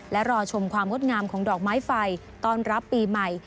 และรอชมความงดงามของดอกไม้ไฟต้อนรับปีใหม่